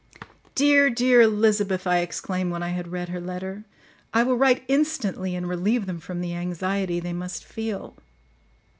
"Dear, dear Elizabeth!" I exclaimed, when I had read her letter: "I will write instantly and relieve them from the anxiety they must feel."